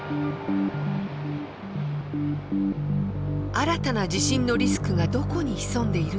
新たな地震のリスクがどこに潜んでいるのか